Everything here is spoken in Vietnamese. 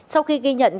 sau khi ghi nhận